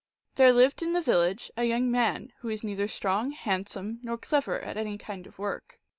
There lived in the village a young man who was neither strong, handsome, nor clever at any kind of work.